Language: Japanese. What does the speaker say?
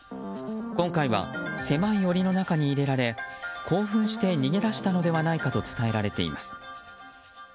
今回は狭い檻の中に入れられ興奮して逃げ出したのではないかと伝えられています。